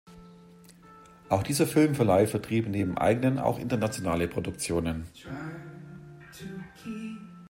Auch dieser Filmverleih vertrieb neben eigenen auch internationale Produktionen.